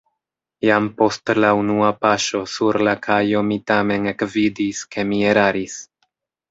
Jam post la unua paŝo sur la kajo mi tamen ekvidis, ke mi eraris.